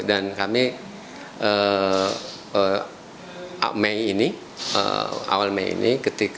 dan kami mei ini awal mei ini